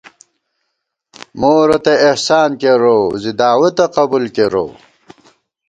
مو رتئ احسان کېروؤ، زِی دعوَتہ قبُول کېروؤ